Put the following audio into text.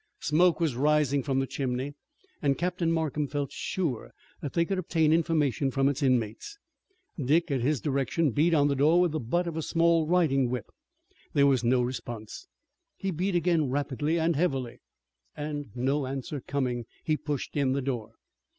Smoke was rising from the chimney, and Captain Markham felt sure that they could obtain information from its inmates. Dick, at his direction, beat on the door with the butt of a small riding whip. There was no response. He beat again rapidly and heavily, and no answer coming he pushed in the door.